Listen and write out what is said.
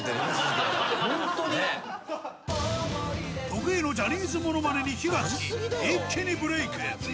得意のジャニーズものまねに火がつき一気にブレイク